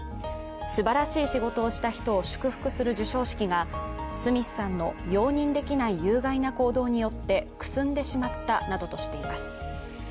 すばらしい仕事をした人を首服する授賞式がスミスさんの容認できない有害な行動によって、くすんでしまったなどとしています。